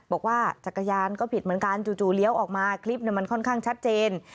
บอกว่าจักรยานก็ผิดเหมือนกันจู่เลี้ยวออกมาคลิปมันค่อนข้างชัดเจน